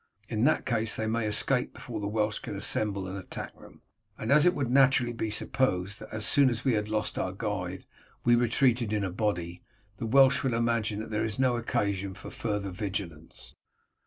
In that case they may escape before the Welsh can assemble and attack them; and as it would naturally be supposed that as soon as we had lost our guide we retreated in a body, the Welsh will imagine that there is no occasion for further vigilance."